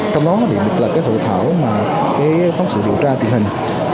trong đó định định là hội thảo phóng sự điều tra truyền hình